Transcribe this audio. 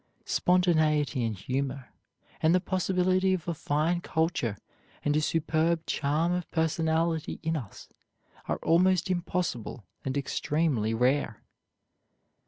Spontaneity and humor, and the possibility of a fine culture and a superb charm of personality in us are almost impossible and extremely rare.